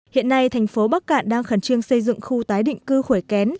hiện nay thành phố bắc cạn đang khẩn trương xây dựng khu tái định cư khuấy kén